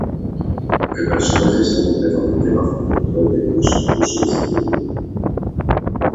El personaje está completamente bajo el control de ellos e incluso les tiene miedo.